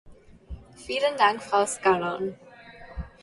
Vielen Dank, Frau Scallon.